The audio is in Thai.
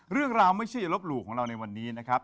เรื่องราวไม่เชื่ออย่าลบหลู่ของเราในวันนี้นะครับ